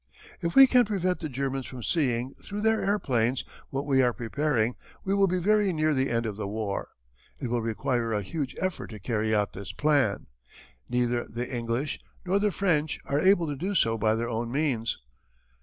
"If we can prevent the Germans from seeing, through their airplanes, what we are preparing we will be very near the end of the war. It will require a huge effort to carry out this plan. Neither the English nor the French are able to do so by their own means.